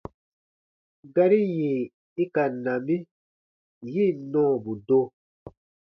Gari yì i ka na mi, yi ǹ nɔɔbu do.